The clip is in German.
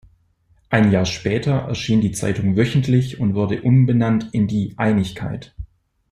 Ein Jahr später erschien die Zeitung wöchentlich und wurde umbenannt in "Die Einigkeit.